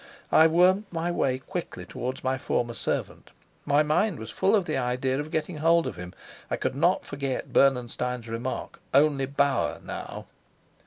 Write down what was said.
I wormed my way quickly towards my former servant. My mind was full of the idea of getting hold of him. I could not forget Bernenstein's remark, "Only Bauer now!"